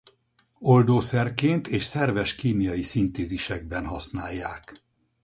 Oldószerként és szerves kémiai szintézisekben használják.